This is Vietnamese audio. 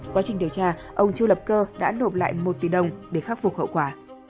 quá trình điều tra ông chu lập cơ đã nộp lại một tỷ đồng để khắc phục hậu quả